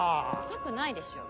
遅くないでしょ。